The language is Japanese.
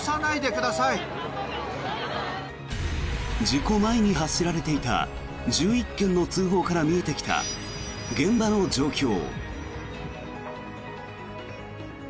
事故前に発せられていた１１件の通報から見えてきた現場の状況。